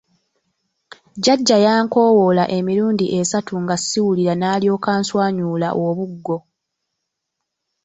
Jjajja yankowoola emirundi essatu nga siwulira n’alyokka answanyuula obuggo.